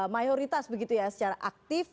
mayoritas secara aktif